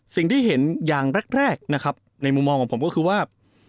สิ่งที่เห็นอย่างแรกนะครับในมุมมองของผมก็คือว่า